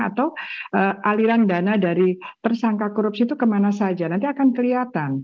atau aliran dana dari tersangka korupsi itu kemana saja nanti akan kelihatan